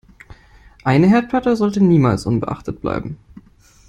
Eine Herdplatte sollte niemals unbeachtet bleiben.